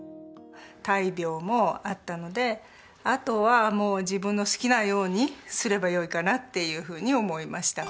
大病もあったのであとはもう自分の好きなようにすればよいかなっていうふうに思いました。